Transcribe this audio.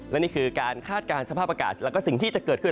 และนี่คือการคาดการณ์สภาพอากาศแล้วก็สิ่งที่จะเกิดขึ้น